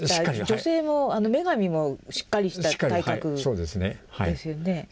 女性も女神もしっかりした体格ですよね。